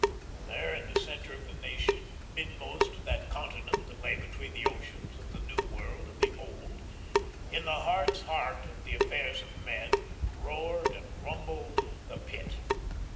There in the centre of the Nation, midmost of that continent that lay between the oceans of the New World and the Old, in the heart's heart of the affairs of men, roared and rumbled the Pit.